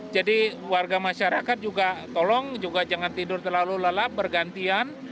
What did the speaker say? jadi warga masyarakat juga tolong juga jangan tidur terlalu lelap bergantian